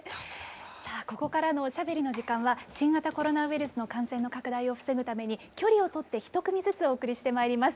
さあここからのおしゃべりの時間は新型コロナウイルスの感染の拡大を防ぐために距離をとって１組ずつお送りしてまいります。